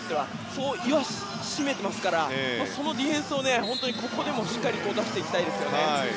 そう言わしめていますからそのディフェンスをここでもしっかり出していきたいですね。